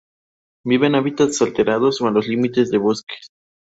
Vive en hábitats alterados o en los límites de bosque.